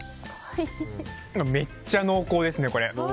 めっちゃ濃厚ですね、これ。